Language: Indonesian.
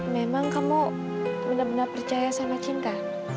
memang kamu benar benar percaya sama cinta